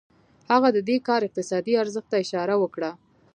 هغه د دې کار اقتصادي ارزښت ته اشاره وکړه